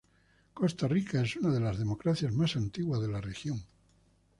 Costa Rica es una de las democracias más antiguas de la región.